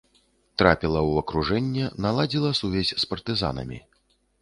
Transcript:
Трапіла ў акружэнне, наладзіла сувязь з партызанамі.